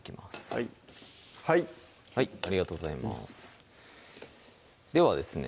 はいはいありがとうございますではですね